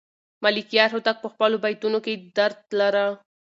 ملکیار هوتک په خپلو بیتونو کې درد لاره.